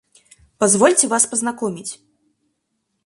Позвольте вас познакомить.